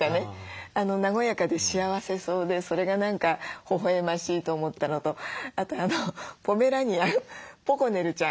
和やかで幸せそうでそれが何かほほえましいと思ったのとあとあのポメラニアンポコネルちゃん